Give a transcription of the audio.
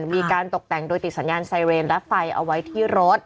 มีการตกแต่งโดยติดสัญญาณไซเรนและไฟเอาไว้ที่รถ